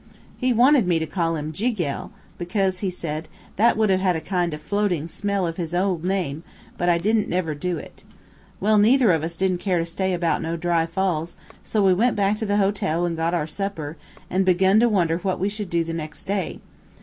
He wanted me to call him Jiguel, because, he said, that would have a kind of a floating smell of his old name, but I didn't never do it. Well, neither of us didn't care to stay about no dry falls, so we went back to the hotel and got our supper, and begun to wonder what we should do next day.